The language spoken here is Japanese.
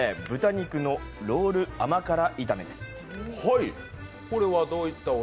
豚肉のロール甘辛炒めです。